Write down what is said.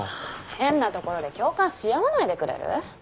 変なところで共感し合わないでくれる？